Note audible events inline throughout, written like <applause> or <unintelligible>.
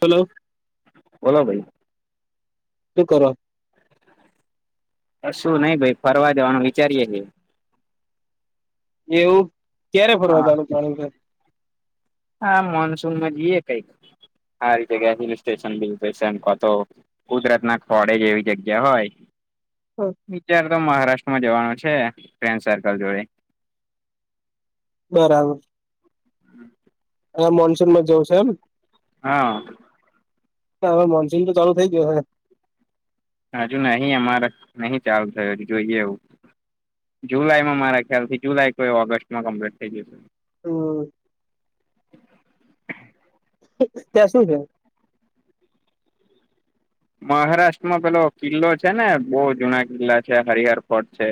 Hello. બોલો ભાઈ. સુ કરો. કશું નઈ ભાઈ ફરવા જાવાનું વિચારીએે છે. એવું. ક્યારે ફરવા હા. જાવાનું <unintelligible> ભય. હા મોનસૂનમાં જઈએ કઈક હારી જગ્યા હિલ સ્ટેશન બિલ સેશન કા તો ગુજરાત ના ખોડે જે એવી જગ્યા હોય. <unintelligible> તો મહારાષ્ટ્રમાં જવાનું છે ફ્રેન્ડ સર્કલ જોડે બરાબર <inaudible> હ મોન્સૂન માં જવં છ એમ હા ના હવે મોનસૂન તો ચાલુ થઇ ગયો હ હજુ નહી અમારે નહી ચાલુ થયું હજ જોઈએ એવું જુલાઈમાં મારા ખ્યાલ થી જુલાઈ તો એ ઓગસ્ટમાં કમ્પ્લીટ થઈ જશે હમ ક શું છે મહારાષ્ટ્રમાં પેલો કિલ્લો છે ને બહુ જુના કિલ્લા છે હરિહાર ફોર્ટ છે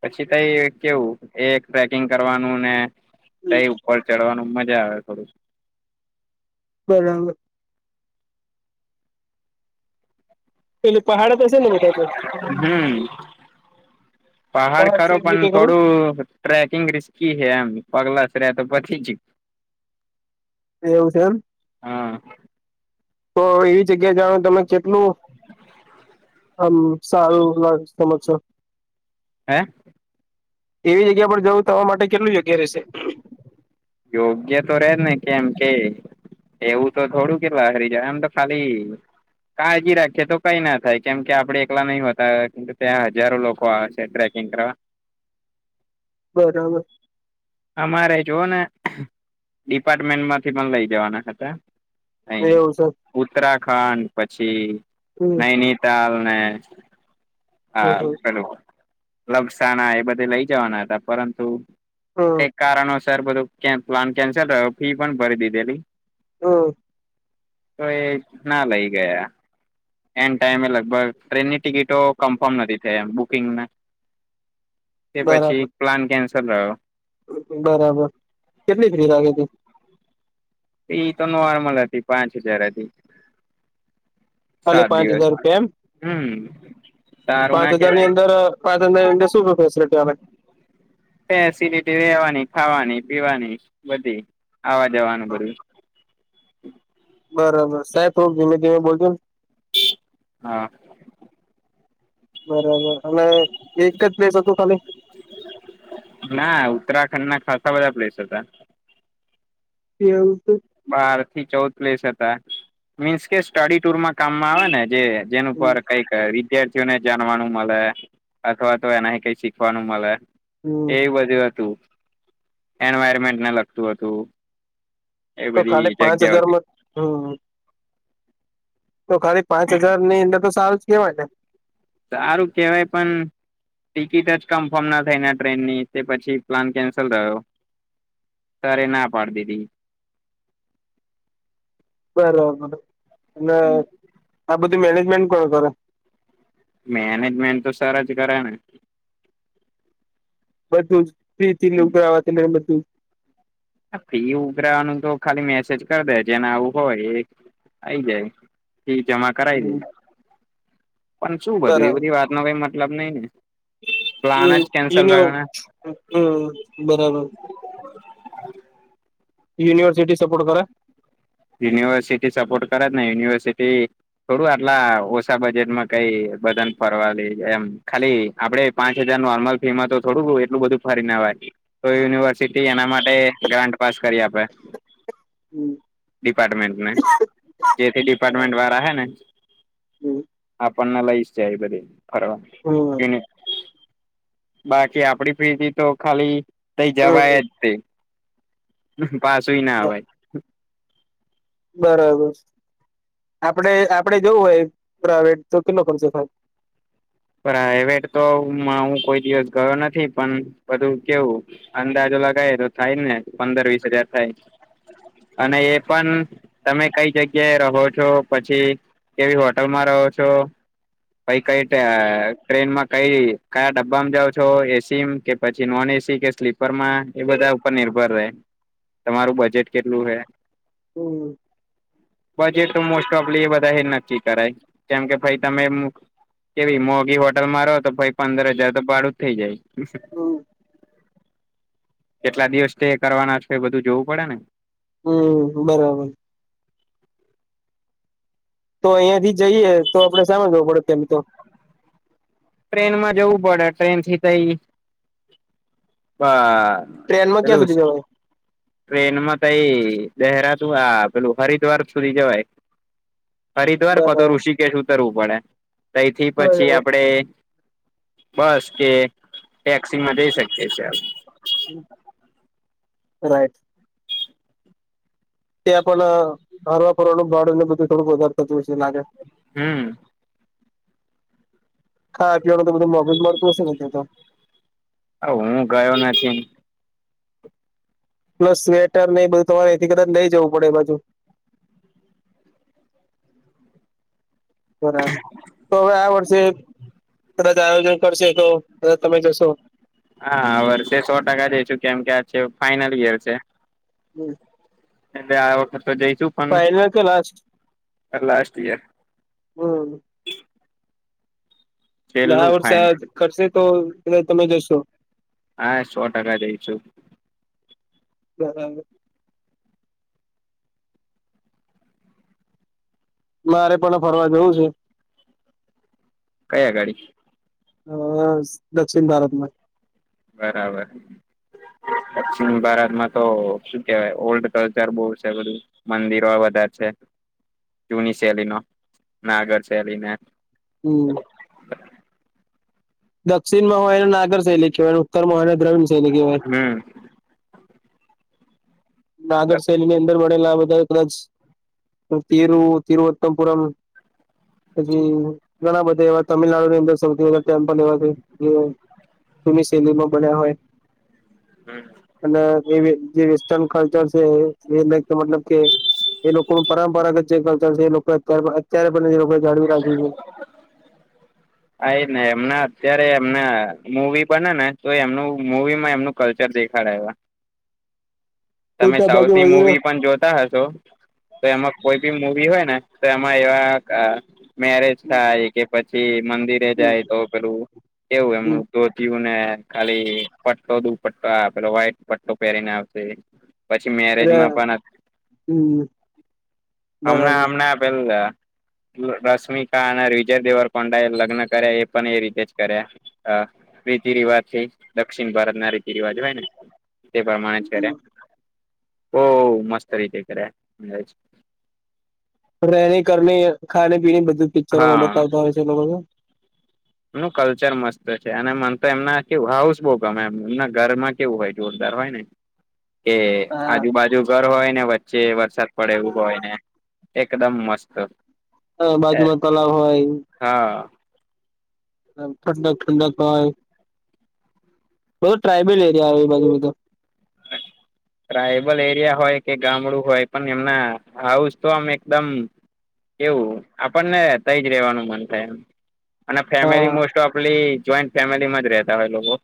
પછી તઈ કેવું એ ટ્રેકિંગ કરવાનું ને તઈ ઉપર ચડવાનું મજા આવે થોડું બરાબર પેલું પહાડ તો છે ને બધા તો હમ પહાડ છે ખરો બીજું પણ કઈ ખરું થોડું ટ્રેકિંગ રિસ્કી હ એમ પગલા તો પછી જ એવું છે એમ હા તો એવી જગ્યા જાણો તમે જેટલું આમ સારું લ સમજ છો હે એવી જગ્યા પર જવું તમા માટે કેટલું જગ્યા રહેશે યોગ્ય તો ર જ ને કેમ કે એવું તો થોડું કેટલા હરી જાય આમ તો ખાલી કાળજી રાખીએ તો કઈ ના થાય કેમ કે આપડે એકલા નહી હોતા ત્યાં હજારો લોકો આવે છે ટ્રેકિંગ કરવા બરાબર અમારે જો ને ડિપાર્ટમેન્ટ માંથી પણ લઈ જવાના ખાતા અ એવું છે ઉત્તરાખંડ પછી હમ નૈનીતાલ અને હા હમ ચલો લપસાણા એ બધે લઈ જવાના હતા પરંતુ હમ તે કારણ સર બધું ક પ્લાન કેન્સલ રહ્યો ફી પણ ભરી દીધેલી હમ તો એ ના લઈ ગયા એન ટાઈમે લગભગ ટ્રેનની ટિકિટો કન્ફર્મ નથી થયા એમ બુકિંગને તે બરાબર પછી પ્લાન કેન્સલ સર બરાબર કેટલી ફ્રી લાગે ત એ તો નોર્મલ હતી પાંચ હજાર હતી ખાલી સાત પાંચ હજાર દિવસમાં રૂપિયા એમ હમ <inaudible> ના પાંચ હજાર ની કેવાય અંદર પાંચ હજારની અંદર શું ફેસિલિટી આવે ફેસિલટી રેવાની ખાવાની પીવાની બધી આવવા જવાનું બરબું <inaudible> બરાબર સાહેબ થોડું ધીમે ધીમે બોલજો ને હા બરાબર અને એક જ પ્લેસ હતોું ખાલી ખાસ બધા પ્લેસ હતા પવું તો બાર થી ચૌદ પ્લેસ હતા મીન્સ કે સ્ટડી ટુરમાં કામમાં આવે ને જે જેનું પર કઈક રી વિદ્યાર્થીઓને જાણવાનું મળે અથવા તો એનાથી કઈ શીખવાનું મળે હમ એ બજુ હતું એન્વાયરમેન્ટને લગતું હતું એ તો બધી ખાલી પાંચ જગ્યાઓ હતી હજારમાં હમ તો ખાલી પાંચ હજાર ની અંદર તો સારું જ કેવાયટ સારું કેહેવાય પણ ટિકિટ જ કન્ફર્મ ના થઈને ટ્રેનની તે પછી પ્લાન કેન્સલ રહ્યો તરે ના પાડ દીધી બરાબર અને બધ મેનેજમેન્ટ કો કરે મેનેજમેન્ટ તો સારા જ કરે ને બછું જ ફ ગાધ <inaudible> ફી ઉઘરાવાનું તો ખાલી મેસેજ કરી દે જેને આવું હોય એ આઈ જાય ઠીક જમાં કરાવ દે હમ પણ શું બધું એ બરાબર બધી વાતનો કય મત મતલબ નઈને. હમ <unintelligible> હમ બરાબર. <inaudible> યુનિવર્સિટી સપોર્ટ કરે. યુનિવર્સિટી સપોર્ટ કરે ને યુનિવર્સિટી થોડું આટલાં ઓછા બજેટમાં કઈ બધાંને ફરવા લઈ એમ ખાલી આપડે પાંચ હજાર નોર્મલ ફી માંતો થોડું એટલું બધું ફરીને આવાય તો યુનિવર્સિટી એના માટે ગ્રાન્ટ પાસ કરી આપે. હમ <inaudible> ડિપાર્ટમેન્ટને જેથી બરાબર ડિપાર્ટમેન્ટ વાળા હેને હમ આપણને લઈ આવી બધી. ફરવા હમ <unintelligible> બાકી આપડી ફ્રીથી તો ખાલી કઈ જવાય હમ જ ની. <unintelligible> પાસું ઈના આવાય. બરાબર, આપડે આપડે જવું હોય પ્રાવેટ તો કેટલો ખર્ચો થાય? પ્રાઇવેટ તો માં હું કોઈ દિવસ ગયો નથી પણ બધું કેવું અંદાજો લગાયે તો થાય જ ને પંદર વીસ હજાર થાય અને એ પણ તમે કઈ જગ્યાએ રહો છો પછી કેવી હોટલમાં રહો છો કઈ કઈ અ ટ્રેનમાં કઈ કયાં ડબ્બામાં જાવ છો એસી કે પછી નોન એસી કે સ્લીપરમાં એ બધાં ઉપર નિર્ભર રહે તમારું બજેટ કેટલું રહે. હમ. બજેટ તો મોસ્ટ ઓફલી એ બધાં એજ નક્કી કરાય કેમ કે ભાઈ તમે કેવી મોગી હોટલમાં રહો તો ભાઈ પંદર હજાર તો ભાડું જ થઈ જાય. <inaudible> કેટલા દિવસ તે કરવાના છે બધું જોવું પડેને. હમ બરાબર. તો અહિંયાથી જઈએ તો આપડે શામાં જવું પડે તેમ તો. ટ્રેનમાં જવું પડે ટ્રેનથી કઈ બ ટ્રેનમાં ક્યાં સુધી જવાય? ટ્રેનમાં તો એ દહેરાતુ આ પેલું હરિદ્વાર સુધી જવાય. હરિદ્વાર કાતો બરાબર ઋષિકેશ ઉતરવું પડે તયથી પછી બરાબર આપડે બસ કે ટેક્સીમાં જઈ શકીએ છે. <inaudible> રાઈટ. ત્યાં પણ હરવા ફરવાનું ભાડુંને બધું થોડુંક વધારે થતું હોય છે લાગે. હમ. <inaudible> ખાવાં પીવાનું તો બધું મોધું જ મળતું હશેને ત્યાંતો. હું ગયો નથી. પ્લસ સ્વેટરને એ બધું તમારે અયથી કદાચ લઈ જવું પડે એબાજુ. <inaudible> બરાબર, તો હવે આ વર્ષે કદાચ આયોજન કરશે તો કદાચ તમે જશો. હા વર્ષે સો ટકા જઈશુ કેમ કે ફાઈનલ ગિયર છે <inaudible> એ આ વખ તો જઈશુ ફાઈનલ કે લાસ્ટ પણ લાસ્ટ ઈયર હમ ફાઈનલ શ કરશે તો એટલે તમે જશો હા સો ટકા દઈ છું <inaudible> મારે પણ ફરવા જવું છે કઈ અગાડી અ દક્ષિણ ભારતમાં બરાબર દક્ષિણ ભારતમાં તો શું કેવાય ઓલ્ડ કલ્ચર બહ છે બધું મંદિરો બધા છે જૂની સહેલી નો નાગર શહેલીને <inaudible> દક્ષિણ માં હોય એનું નાગર શૈલેખવાનું મહાર દ્રવ મને કવાય હમ નાગર શૈલી ની અંદર બધા કદાચ તિરુ તિરુવત્તમપુરમ પછી ઘણા બધા એવા તમિલનાડુની અંદર સૌથી ટેમ્પલ એવા છે જેમ શૈલીમાં બન્યા હોય અને એવી જેવી કલ્ચર છે એ મતલબ કે એ લોકો ન પરંપરાગત જે કલ્ચર છે એ લોકોત અત્યારે જાળવી રાખ્યું છે આ એ ને એમના અત્યારે એમને મવી બને ને તો એમનું મવીમાં એમનું કલ્ચર દેખાડ્યા તમે મોટા ભાગે સાઉથની અને મુવી પણ જોતા હશો તો એમાં કોઈ બી મુવી હોય ને તો એમાં એવા મેરેજ થાય કે પછી મંદિરે જાય તો પેલું કેવું એમનું જોતિયું ને ખાલી પટ્ટો દુ પટ્ટો પેલો વ્હાઈટ પટ્ટો પહેરીને આવશે પછી મેરેજમાં પણ હમ હમણાં હમણાં પેલા રશ્મિકા અને વિજય દેવર કોંડા એ લગ્ન કર્યા એ પણ એ રીતે જ કર્યા રીતિ રિવાજ થી દક્ષિણ ભારત ના રીતિ રિવાજ હોય ને તે પ્રમાણે જ કરે બરાબર ઓ મસ્ત રીતે કર્યા રહેને કર ખાને પીને બધ પિક્ચરોમાં હા બતાવતા હોય છે એ લોકોને એમનું કલ્ચર મસ્ત છે અને મને તો એમના કેવું હાઉસ બો ગમે એમ એમના ઘરમાં કેવું હોય જોરદાર હોય ને કે હા આજુબાજુ ઘર હોય ને વચચે જે વરસાદ પડે એવું હોય ને એકદમ મસ્ત હ, બાજુમાં તલાવ હોય. હા ઠંડક ઠંડક હોય, બંધ ટ્રાઈબલ એરિયા આવે, બાજુ બધ ટ્રાઈબલ એરિયા હોય કે ગામડું હોય, પણ એમના હાઉસ તો આમ એકદમ એવું આપણને થઈ જ રેવાનું મન થાય એમ. અને ફેમિલી હા મોસ્ટ ઓફ આપલી જોઈન્ટ ફેમિલીમાં જ રહેતા હોય લોકો.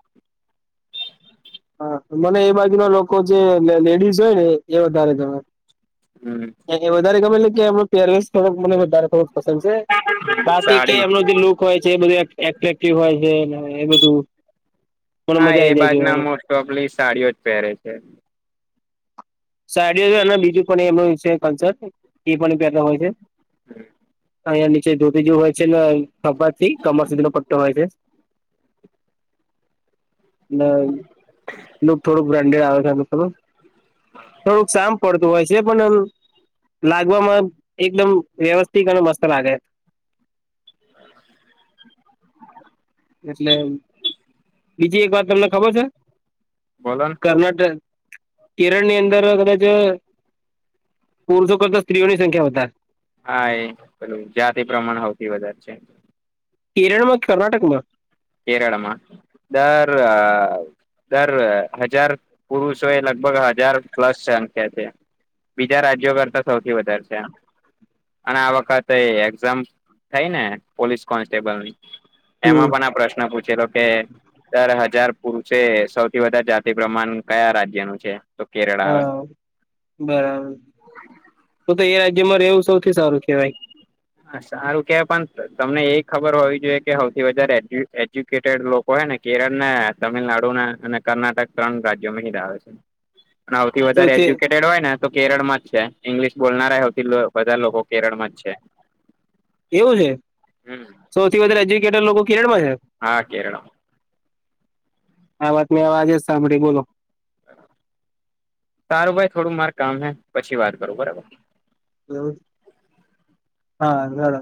હા, મને એ બાજુના લોકો, જે લેડીઝ હોય ને, એ વધારે જાય. હમ એના થી વધારે ગમેલું. કે એમ પેરસ. થોડું મને વધારે થોડું પસંદ છે, બાકી કે સાડી એમનો જે લુક હોય છે એ બધ્રેક્ટિવ હોય છે, એ બધું મને હા મજા એ આ જાય બાજના છે. મોસ્ટ ઓફલી સાડીઓ જ પહેરે છે સાડીઓ અને બીજું પણ એમનું કંચન, એ પણ પહેરવાનું હોય છે. હમ. અહીં નીચે ધોતી જે હોય છે ને? ખભા થી કમર સુધી નો પટ્ટો હોય છે. ના. થોડુંક બ્રાન્ડેડ આવે છે થું. થોડુંક શામ પડતું હોય છે. જે પણ એ લાગવામાં એકદમ વ્યવસ્થિત અને મસ્ત લાગે. એટલે બીજી એક વાત તમને ખબર છે બોલો ને કર્ણાટક? કેરળ ની અંદર કદાચ પુરુષો કરતા સ્ત્રીઓની સંખ્યા વધારે. હા, એેલું જાતિ પ્રમાણ હો થી વધારે છે. કેરળમાં કર્ણાટકમાં કેરળમાં દર દર હજાર પુરુષો એ લગભગ હજાર પ્લસ સંખ્યા છે, બીજા રાજ્યો કરતા સૌથી વધારે છે, અને આ વખતે એક્ઝામ થઈ ને પોલીસ કોન્સ્ટેબલની. હમ એમાં પણ આ પ્રશ્ન? પૂછે તો, કે તારા? હજાર પુરુષે સૌથી વધારે જાતિ પ્રમાણ કયા રાજ્ય નું છે? તો કેરળ આવે હા, બરાબર તો તો અહીં મારે એવું સૌથી સારું છે ભાઈ. સારું કહેવાય, પણ તમને એ ખબર હોવી જોઈએ કે સૌથી વધારે એજ્યુકેટેડ લોકો હોને કેરળના, તમિલનાડુના અને કર્ણાટક ત્રણ રાજ્યોમાં આવે છે. સૌથી વધારે એજ્યુકેટેડ હોય ને તો કેરળ માં જ છે, ઇંગ્લિશ બોલનાર. બધા લોકો કેરળમાં જ છે. એવું છે હમ સૌથી વધારે એજ્યુકેટેડ લોકો કેરળમાં છે. હા કેરળ આ વાત મે અવાજે જ સાંભળી, બોલો? સારું ભાઈ, થોડું માર કામ હ, પછી વાત કરું, બરાબર. હારુ ચાલો.